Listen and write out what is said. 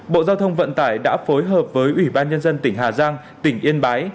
bộ giao thông vận tải đã phối hợp với ủy ban nhân dân tỉnh hà giang tỉnh yên bái